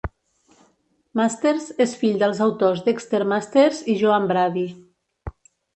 Masters és fill dels autors Dexter Masters i Joan Brady.